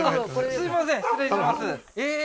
すみません失礼しますええー